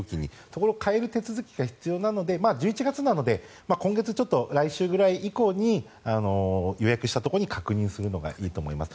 そこを変える手続きが必要なので１１月なので今月ちょっと来週ぐらい以降に予約したところに確認するのがいいと思います。